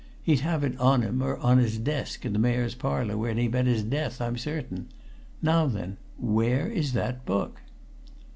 He'd have it on him, or on his desk in the Mayor's Parlour, when he met his death, I'm certain! Now then where is that book?"